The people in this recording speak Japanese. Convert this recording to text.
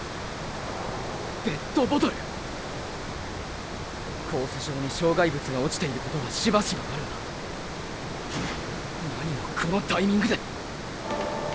ペットボトル？コース上に障害物が落ちていることはしばしばあるがーー何もこのタイミングで！！